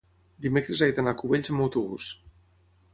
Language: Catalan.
dimecres he d'anar a Cubells amb autobús.